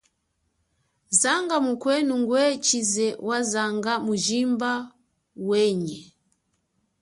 Zanga mukwenu ngwe tshize wa zanga mujimba weye.